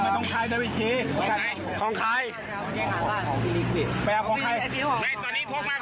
ต้องของใคร